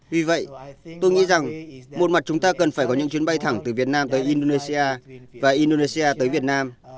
vì vậy tôi nghĩ rằng một mặt chúng ta cần phải có những chuyến bay thẳng từ việt nam tới indonesia và indonesia tới việt nam